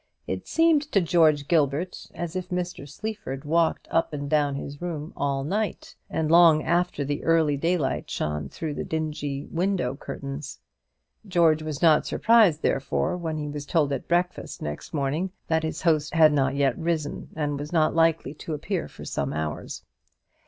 It seemed to George Gilbert as if Mr. Sleaford walked up and down his room all night, and long after the early daylight shone through the dingy window curtains. George was not surprised, therefore, when he was told at breakfast next morning that his host had not yet risen, and was not likely to appear for some hours.